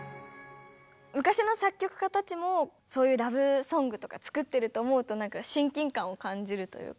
昔の作曲家たちもそういうラブソングとか作ってると思うとなんか親近感を感じるというか。